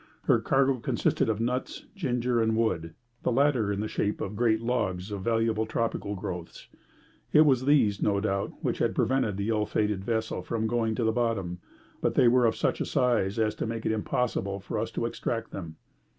Her cargo consisted of nuts, ginger, and wood, the latter in the shape of great logs of valuable tropical growths. It was these, no doubt, which had prevented the ill fated vessel from going to the bottom, but they were of such a size as to make it impossible for us to extract them.